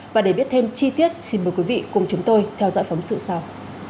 và để biết thêm chi tiết xin mời quý vị cùng chúng tôi theo dõi phóng sự sau